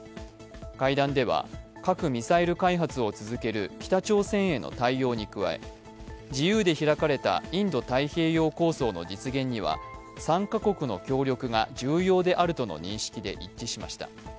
会談では核・ミサイル開発を続ける北朝鮮への対応に加え自由で開かれたインド太平洋構想の実現には３か国の協力が重要であるとの認識で一致しました。